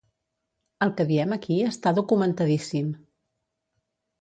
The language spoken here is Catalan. El que diem aquí està documentadíssim.